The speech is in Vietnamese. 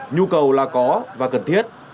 nhu cầu là có và cần thiết